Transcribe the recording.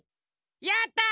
やった！